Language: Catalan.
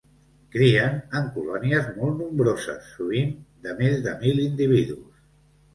Crien en colònies molt nombroses, sovint de més de mil individus.